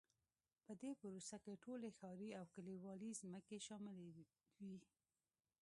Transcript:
په دې پروسه کې ټولې ښاري او کلیوالي ځمکې شاملې وې.